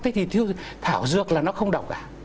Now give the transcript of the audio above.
thì thảo dược là nó không đọc cả